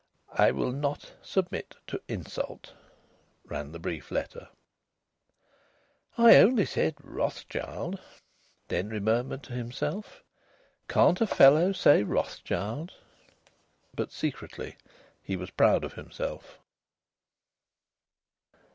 "I will not submit to insult," ran the brief letter. "I only said 'Rothschild'!" Denry murmured to himself. "Can't a fellow say 'Rothschild'?" But secretly he was proud of himself.